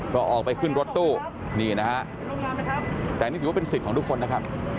ก็ออกไปขึ้นรถตู้นี่นะฮะแต่นี่ถือว่าเป็นสิทธิ์ของทุกคนนะครับ